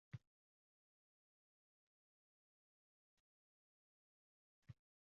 “Oʻz vujudingga tafakkur aylagil, Har ne istarsan, oʻzingdan istagil”, deydi hazrat Navoiy.